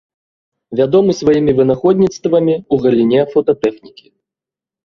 Вядомы сваімі вынаходніцтвамі ў галіне фотатэхнікі.